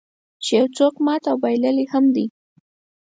چې یو څوک مات او بایللی هم دی.